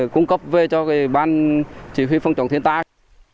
cung cấp về cho ban chỉ huy phong trọng thiên tài